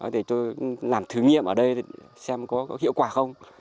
thì tôi làm thử nghiệm ở đây xem có hiệu quả không